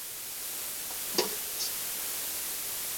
甲午战争后台湾割让予大日本帝国。